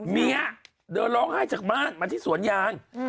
เมียเดินร้องไห้จากบ้านมาที่สวนยาง